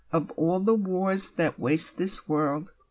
Of all the wars that waste this world.